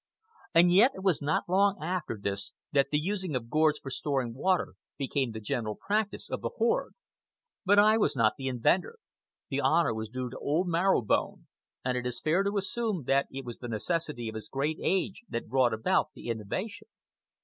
And yet, it was not long after this that the using of gourds for storing water became the general practice of the horde. But I was not the inventor. The honor was due to old Marrow Bone, and it is fair to assume that it was the necessity of his great age that brought about the innovation.